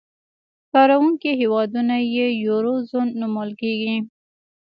کاروونکي هېوادونه یې یورو زون نومول کېږي.